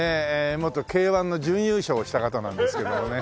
元Ｋ−１の準優勝をした方なんですけどもね。